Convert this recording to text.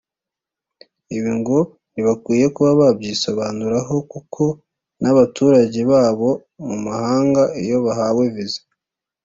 Ibi ngo ntibakwiye kuba babyisobanuraho kuko n’abaturage babo mu mahanga iyo bahawe Visa